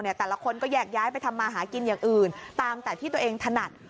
แต่ละคนก็แยกย้ายไปทำมาหากินอย่างอื่นตามแต่ที่ตัวเองถนัด